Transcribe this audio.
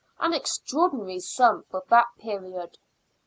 an extraordinary sum for that period.